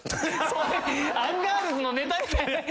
アンガールズのネタみたい。